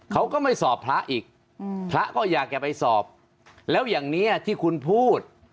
เขาก็ไม่สอบพระอีกพระก็อยากจะไปสอบแล้วอย่างนี้ที่คุณพูด